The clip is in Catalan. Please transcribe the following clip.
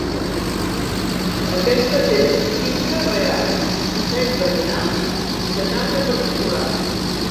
Aquestes eren quinze reals, set veïnals i setanta particulars.